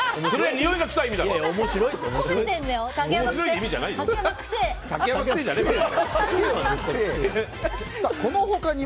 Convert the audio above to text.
においが臭いって意味だろ！